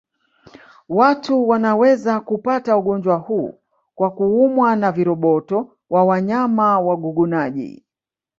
Watu wanaweza kupata ugonjwa huu kwa kuumwa na viroboto wa wanyama wagugunaji